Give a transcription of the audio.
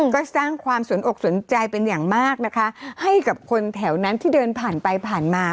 ก็สร้างความสนอกสนใจเป็นอย่างมากนะคะให้กับคนแถวนั้นที่เดินผ่านไปผ่านมา